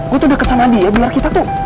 gue tuh deket sama dia biar kita tuh